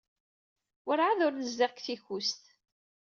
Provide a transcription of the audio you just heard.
Werɛad ur nezdiɣ deg Tikust.